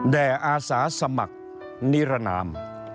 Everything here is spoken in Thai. แด่อาสาสมัครนิรนาม